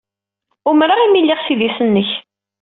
Umreɣ imi ay lliɣ s idis-nnek.